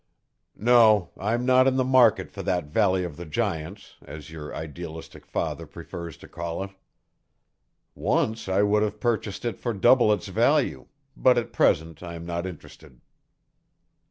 "No, I am not in the market for that Valley of the Giants, as your idealistic father prefers to call it. Once I would have purchased it for double its value, but at present I am not interested."